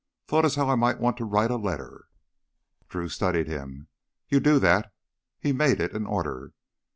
"Thought as how I might want to write a letter." Drew studied him. "You do that!" He made it an order.